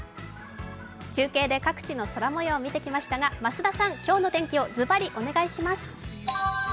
中継で各地の空もようを見てきましたが増田さん、今日の天気をズバリお願いします。